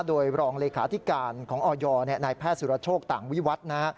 โดยรองเลขาธิการของออยนายแพทย์สุรโชคต่างวิวัฒน์นะฮะ